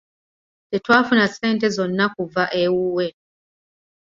Tetwafuna ssente zonna kuva ewuwe.